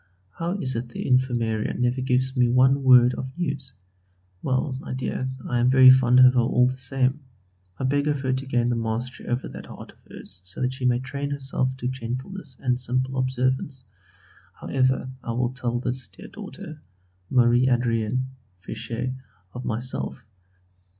How is it the infirmarian never gives me one word of news? Well, my dear, I am very fond of her all the same. I beg of her to gain the mastery over that heart of hers so that she may train herself to gentleness and simple observance; however, I will tell this dear daughter, Marie Adrienne (Fichet), of this myself.